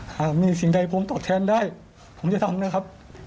หากมีสิ่งใดผมตอบแทนได้ผมจะทำนะครับ